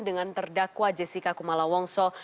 dengan terdakwa jessica kumala wongso